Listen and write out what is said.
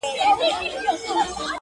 • لکه دی چي د جنګونو قهرمان وي -